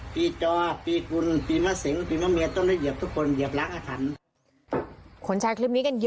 ปีจอปีกุลปีมหาเสรงปีมหาเมียต้องไปเหยียบทุกคนเหยียบหลังอัฐัณฑ์